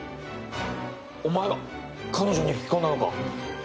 お前が彼女に吹き込んだのか？